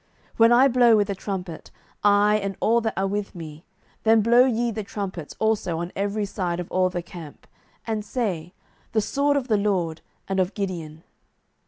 07:007:018 When I blow with a trumpet, I and all that are with me, then blow ye the trumpets also on every side of all the camp, and say, The sword of the LORD, and of Gideon.